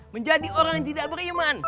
menjadi orang yang tidak beriman